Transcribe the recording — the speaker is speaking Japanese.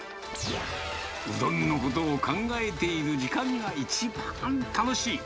うどんのことを考えている時間が一番楽しい。